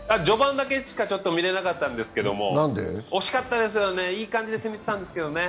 序盤だけしかちょっと見れなかったんですけれども惜しかったですよね、いい感じで攻めてたんですけど。